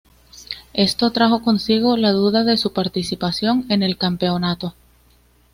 Esto trajo consigo la duda de su participación en el campeonato.